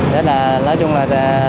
rất là nói chung là